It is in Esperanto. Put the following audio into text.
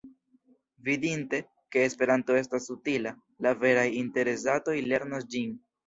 Vidinte, ke Esperanto estas utila, la veraj interesatoj lernos ĝin.